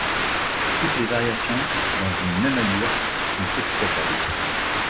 Toutes les variations dans une même allure sont exploitables.